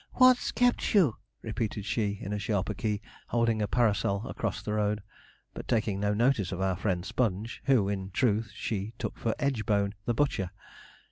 'What's kept you?' repeated she, in a sharper key, holding her parasol across the road, but taking no notice of our friend Sponge, who, in truth, she took for Edgebone, the butcher.